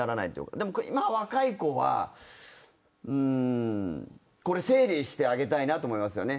でも、今の若い子は整理してあげたいなと思いますよね。